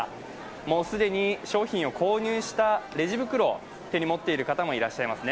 もう既に商品を購入したレジ袋を手に持っている方もいらっしゃいますね。